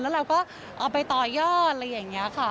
แล้วเราก็เอาไปต่อยอดอะไรอย่างนี้ค่ะ